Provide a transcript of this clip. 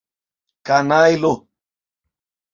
Kanajlo!